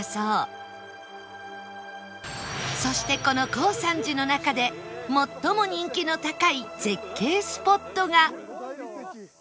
そしてこの耕三寺の中で最も人気の高い絶景スポットが